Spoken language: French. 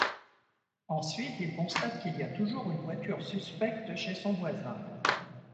Ensuite, il constate qu'il y a toujours une voiture suspecte chez son voisin.